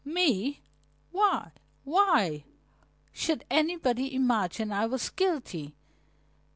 "Me? Why why should anybody imagine I was guilty?